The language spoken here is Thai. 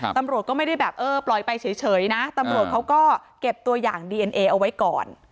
ตำรวจก็ไม่ได้แบบเออปล่อยไปเฉยนะตำรวจเขาก็เก็บตัวอย่างดีเอ็นเอเอาไว้ก่อน